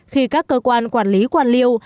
khi các cơ quan quản lý quan liêu